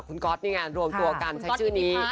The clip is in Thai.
คุณก๊อตนี่ไงรวมตัวกันใช้ชื่อนี้